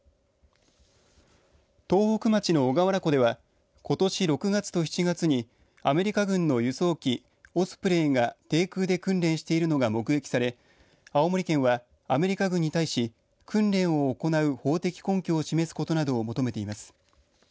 東北町の小川原湖ではことし６月と７月にアメリカ軍の輸送機オスプレイが低空で訓練しているのが目撃され青森県は、アメリカ軍に対し訓練を行う法的根拠を示すことなどを求めています。